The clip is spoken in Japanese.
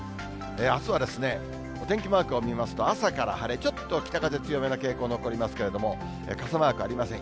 あすはお天気マークを見ますと朝から晴れ、ちょっと北風強めな傾向残りますけれども、傘マークありません。